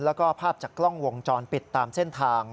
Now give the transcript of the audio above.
แล้วก็ภาพจากกล้องวงจรปิดตามเส้นทาง